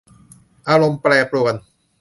อารมณ์แปรปรวน